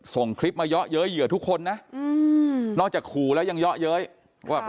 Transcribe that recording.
ส่งคลิปมาเยอะเยอะเยอะทุกคนนะอืมนอกจากขู่แล้วยังเยอะเยอะ